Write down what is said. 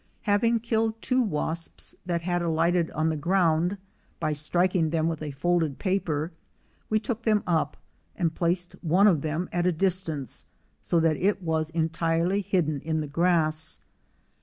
Having killed two wasps that had alighted on the ground, by striking them with a folded paper, we took them up and placed one of them at a distance, so that it was entirely hidden in the grass.